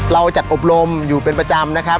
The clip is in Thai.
เราจัดอบรมอยู่เป็นประจำนะครับ